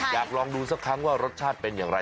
อยากลองดูสักครั้งว่ารสชาติเป็นอย่างไร